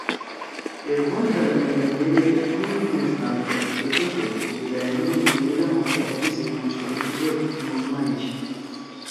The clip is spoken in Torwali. اقبال دا لندن گے گول میز کانفرنس کے گَشُو خو ولائت می ایِسی علم او شاعری سی مشہوری چیر مُوشما ہی شی